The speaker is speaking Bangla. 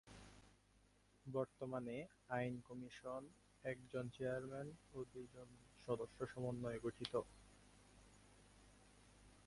বর্তমানে আইন কমিশন একজন চেয়ারম্যান ও দুজন সদস্য সমন্বয়ে গঠিত।